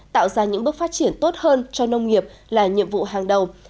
tạo ra những bước phát triển tốt hơn cho nông nghiệp là nhiệm vụ hàng đầu